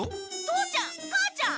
父ちゃん母ちゃん！